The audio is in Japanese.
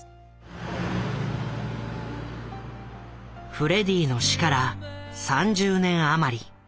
フレディの死から３０年余り。